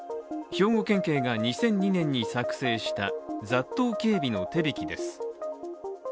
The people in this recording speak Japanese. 兵庫県警が２００２年に作成した「雑踏警備の手引き」です。